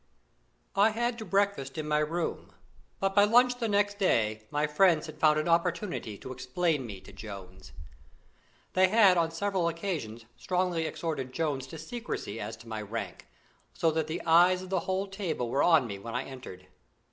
I had to breakfast in my room, but by lunch the next day my friends had found an opportunity to explain me to Jones. They had on several occasions strongly exhorted Jones to secrecy as to my rank, so that the eyes of the whole table were on me when I entered.